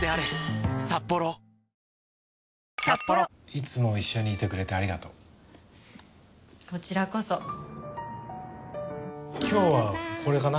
いつも一緒にいてくれてありがとうこちらこそ今日はこれかな